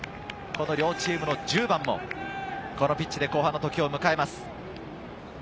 両チームの１０番もこのピッチで後半の時を迎えます。